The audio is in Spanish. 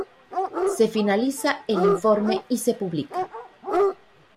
Se finaliza el informe y se publica.